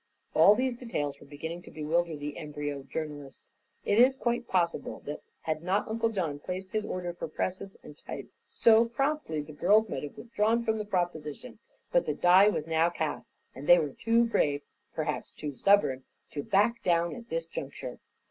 All these details were beginning to bewilder the embryo journalists. It is quite possible that had not Uncle John placed his order for presses and type so promptly the girls might have withdrawn from the proposition, but the die was now cast and they were too brave perhaps too stubborn to "back down" at this juncture.